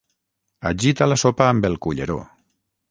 Agita la sopa amb el culleró.